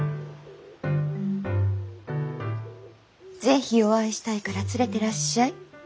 是非お会いしたいから連れてらっしゃい。